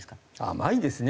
甘いですね。